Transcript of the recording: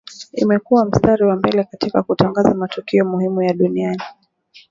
Imekua mstari wa mbele katika kutangaza matukio muhimu ya dunia